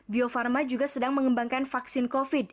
bio farma juga sedang mengembangkan vaksin covid